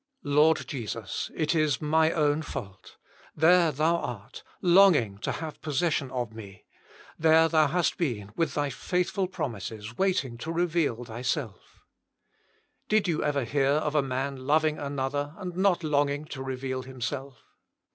*< Lord Jesus, it is my own fault. There Thou art, longing to have possession of me. There Thou hast been with Thy faithful promises waiting to reveal Thyself. " Jesus Himself. 123 ■* Did you ever hear of a man loving another and not longing to reveal him self